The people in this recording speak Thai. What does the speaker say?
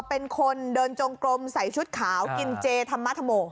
เป็นคนเดินจงกลมใส่ชุดขาวกินเจธรรมธโม